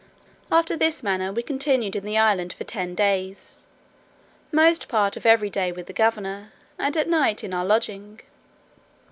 After this manner we continued in the island for ten days, most part of every day with the governor, and at night in our lodging.